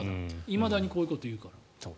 いまだにこういうことを言うから。